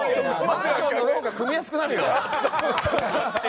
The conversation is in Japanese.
マンションのローンが組みやすくなるよ。